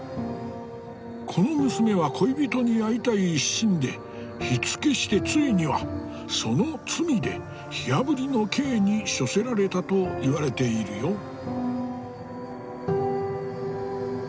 この娘は恋人に会いたい一心で火付けしてついにはその罪で火あぶりの刑に処せられたと言われているよ。